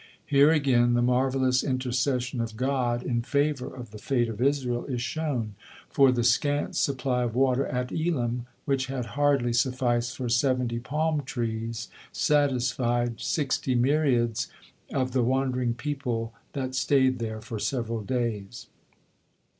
Here again the marvelous intercession of God in favor of the fate of Israel is shown, for the scant supply of water at Elim, which had hardly sufficed for seventy palm trees, satisfied sixty myriads of the wandering people that stayed there for several days.